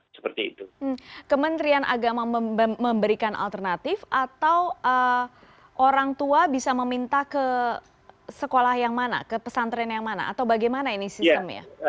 kementerian agama memberikan alternatif atau orang tua bisa meminta ke sekolah yang mana ke pesantren yang mana atau bagaimana ini sistemnya